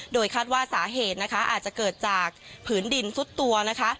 โดยคาดว่าสาเหตุนะคะอาจจะเกิดจากผืนดินซุดตัวนะคะ